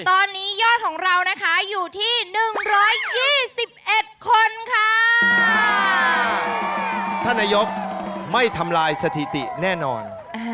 ตอนนี้ยอดของเรานะคะอยู่ที่หนึ่งร้อยยี่สิบเอ็ดคนค่ะท่านนายกไม่ทำลายสถิติแน่นอน